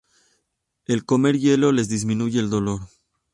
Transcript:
El comer hielo les disminuye el dolor.